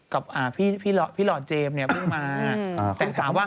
กับพี่หลอดเจมส์เนี่ยเพิ่งมา